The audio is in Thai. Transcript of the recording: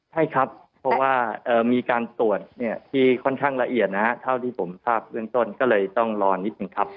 ใช่ครับเพราะว่ามีการตรวจที่ค่อนข้างละเอียดนะฮะเท่าที่ผมทราบเบื้องต้นก็เลยต้องรอนิดหนึ่งครับ